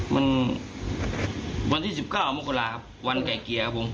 วันที่๑๙อาหารมรกระลาวันไกรเกียครับผม